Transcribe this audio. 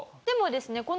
でもですね